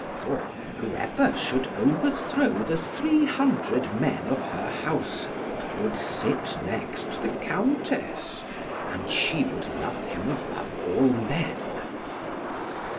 For, whoever should overthrow the three hundred men of her household, would sit next the Countess, and she would love him above all men.